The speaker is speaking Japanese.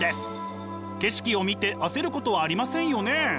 景色を見て焦ることはありませんよね？